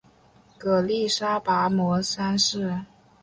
曷利沙跋摩三世。